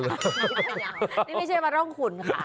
นี่ไม่ใช่มาร่องขุนค่ะ